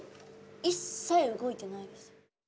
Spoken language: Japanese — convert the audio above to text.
一切動いてないです。